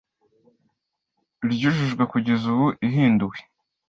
ryujujwe kugeza ubu ihinduwe